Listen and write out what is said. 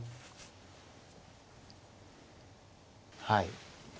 はい。